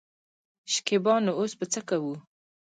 شکيبا : نو اوس به څه کوو.